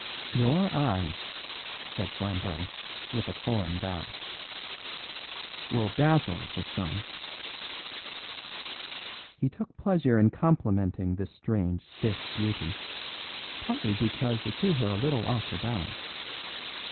"Your eyes," said Flambeau, with a foreign bow, "will dazzle the sun." He took pleasure in complimenting this strange stiff beauty, partly because it threw her a little off her balance.